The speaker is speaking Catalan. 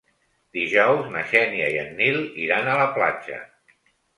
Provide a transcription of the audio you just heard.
Dijous na Xènia i en Nil iran a la platja.